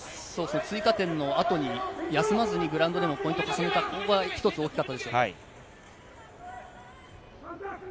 追加点の後に休まずにグラウンドでもポイントを重ねたことが一つ大きかったです。